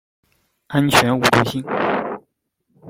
安全无毒性。